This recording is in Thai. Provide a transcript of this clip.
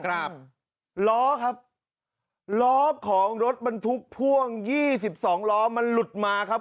ครับล้อครับล้อของรถบรรทุกพ่วงยี่สิบสองล้อมันหลุดมาครับ